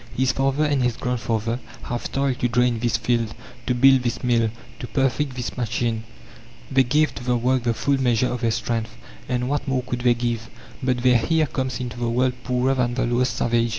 His father and his grandfather have toiled to drain this field, to build this mill, to perfect this machine. They gave to the work the full measure of their strength, and what more could they give? But their heir comes into the world poorer than the lowest savage.